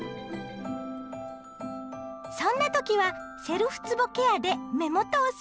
そんな時はセルフつぼケアで目元をスッキリ！